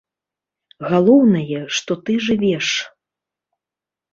Галоўнае, што ты жывеш.